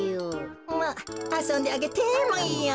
まああそんであげてもいいよ。